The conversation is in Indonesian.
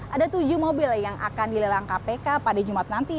ada tujuh mobil yang akan dilelang kpk pada jumat nanti